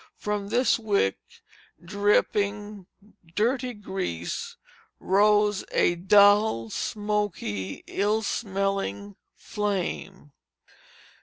From this wick, dripping dirty grease, rose a dull, smoky, ill smelling flame.